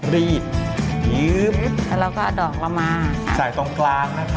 รีบยืมแล้วเราก็เอาดอกเรามาใส่ตรงกลางนะคะ